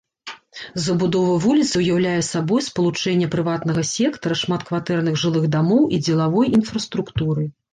Забудова вуліцы ўяўляе сабой спалучэнне прыватнага сектара, шматкватэрных жылых дамоў і дзелавой інфраструктуры.